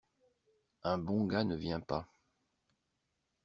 Un bon gars ne vient pas.